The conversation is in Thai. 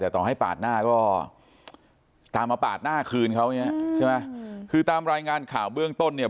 ต้องตามมาปาดหน้าคืนเขานะใช่ไหมคือตามรายงานข่าวเบื้องต้นเนี่ย